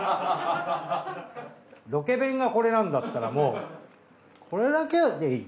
ロケ弁がこれなんだったらもうこれだけでいい。